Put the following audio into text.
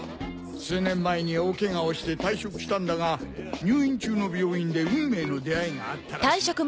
数年前に大ケガをして退職したんだが入院中の病院で運命の出会いがあったらしい。